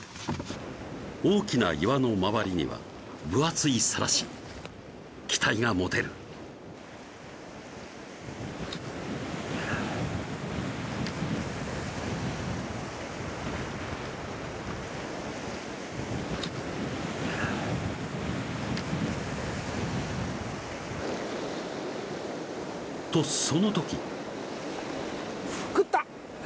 大きな岩の周りには分厚いサラシ期待が持てるとその時食った！